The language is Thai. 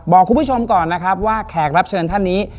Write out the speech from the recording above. บอกคุณผู้ชมก่อนนะครับว่าแขกรับเชิญท่านนี้